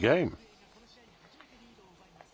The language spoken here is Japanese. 仙台育英がこの試合、初めてリードを奪います。